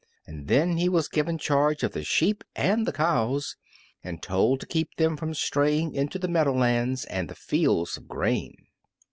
And then he was given charge of the sheep and the cows, and told to keep them from straying into the meadowlands and the fields of grain.